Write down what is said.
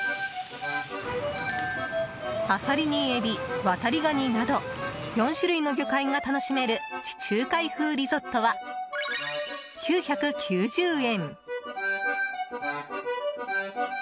アサリにエビ、ワタリガニなど４種類の魚介が楽しめる地中海風リゾットは９９０円。